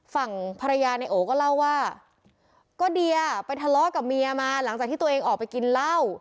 ฝั่งภรรยาในโอก็เล่าว่าก็เดียไปทะเลาะกับเมียมาหลังจากที่ตัวเองออกไปกินเหล้า